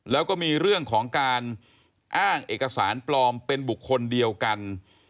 แล้วก็มีเรื่องของการอ้างเอกสารปลอมเป็นบุคคลเดียวกัน